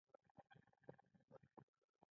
کرنه د هیواد اقتصادي خپلواکي پیاوړې کوي.